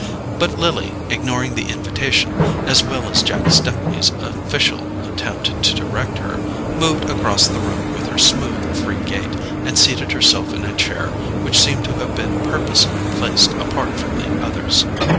But Lily, ignoring the invitation, as well as Jack Stepney's official attempt to direct her, moved across the room with her smooth free gait, and seated herself in a chair which seemed to have been purposely placed apart from the others.